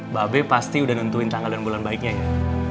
mbak abe pasti udah nentuin tanggal dan bulan baiknya ya